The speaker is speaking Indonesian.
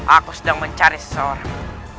aku sedang mencari seseorang